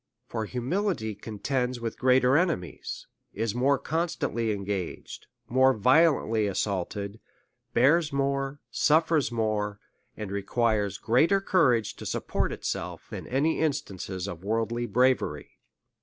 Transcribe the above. For humility contends with greater enemies, is more constantly engaged, more violently assaulted, bears more, suffers more, and requires DEVOUT AND HOLY LIFE. 351 greater courage to support itself, than any instances of worldly bravery.